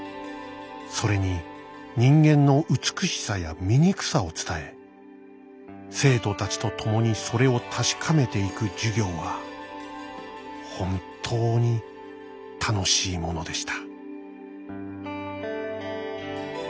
それに人間の美しさや醜さを伝え生徒たちとともにそれを確かめていく授業は本当に楽しいものでした」。